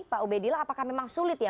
pak ubedillah apakah memang sulit ya